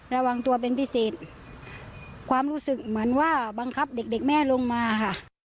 ระวังตัวเป็นพิเศษความรู้สึกเหมือนว่าบังคับเด็กเด็กแม่ลงมาค่ะ